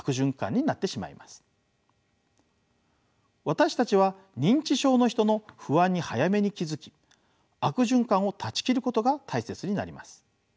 私たちは認知症の人の不安に早めに気付き悪循環を断ち切ることが大切になります。